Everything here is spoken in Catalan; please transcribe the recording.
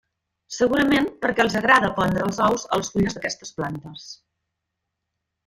Segurament perquè els hi agrada pondre els ous a les fulles d'aquestes plantes.